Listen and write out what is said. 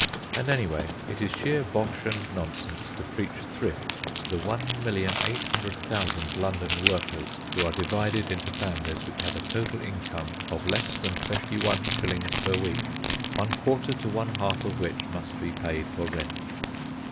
And, anyway, it is sheer bosh and nonsense to preach thrift to the 1,800,000 London workers who are divided into families which have a total income of less than 21s. per week, one quarter to one half of which must be paid for rent.